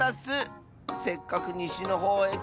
せっかくにしのほうへきたのに。